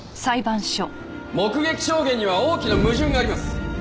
目撃証言には大きな矛盾があります。